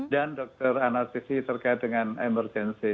dan dokter anestesi terkait dengan emergensi